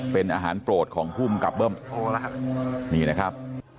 เป็นอาหารโปรดของภูมิกับเบิ้มนี่นะครับ